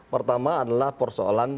pertama adalah persoalan